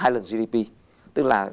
hai lần gdp tức là